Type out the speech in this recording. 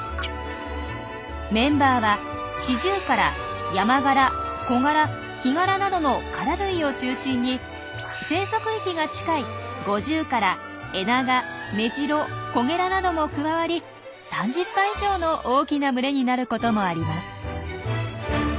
メンバーはシジュウカラヤマガラコガラヒガラなどのカラ類を中心に生息域が近いゴジュウカラエナガメジロコゲラなども加わり３０羽以上の大きな群れになることもあります。